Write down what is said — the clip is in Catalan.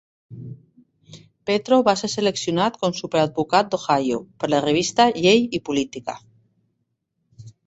Petro va ser seleccionat com "Super advocat d'Ohio" per la revista Llei i Política.